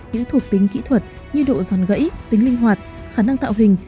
những thuộc tính kỹ thuật như độ giòn gãy tính linh hoạt khả năng tạo hình